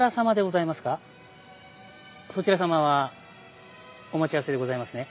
そちら様は？お待ち合わせでございますね。